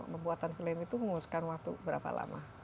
pembuatan film itu menguruskan waktu berapa lama